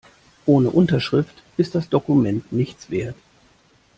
Ohne Unterschrift ist das Dokument nichts wert.